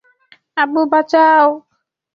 আব্বু, বাঁচাও!